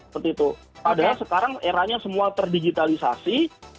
padahal sekarang eranya semua terdigitalisasi